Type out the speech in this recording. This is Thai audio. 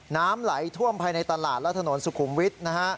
น้ำไหลท่วมภายในตลาดและถนนสุขุมวิทย์นะฮะ